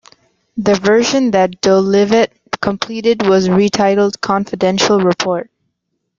The version that Dolivet completed was retitled "Confidential Report".